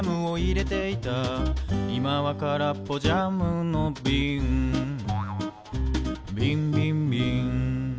「いまはからっぽジャムのびん」「びんびんびん」